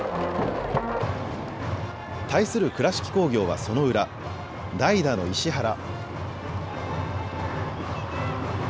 対する倉敷工業はその裏、代打の石原。